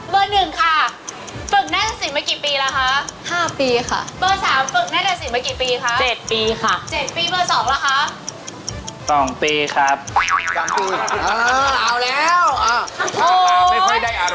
เบอร์๑ค่ะฝึกหน้าจักษินมากี่ปีแล้วคะ